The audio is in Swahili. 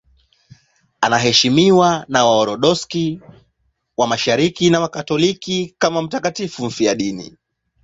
Anaheshimiwa na Waorthodoksi wa Mashariki na Wakatoliki kama mtakatifu mfiadini.